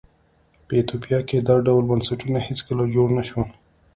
په ایتوپیا کې دا ډول بنسټونه هېڅکله جوړ نه شول.